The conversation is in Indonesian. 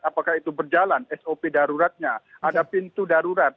apakah itu berjalan sop daruratnya ada pintu darurat